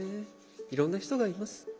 いろんな人がいます。